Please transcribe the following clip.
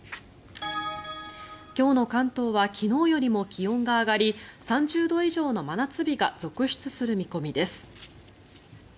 今日の関東は昨日よりも気温が上がり３０度以上の真夏日が続出する見込みです。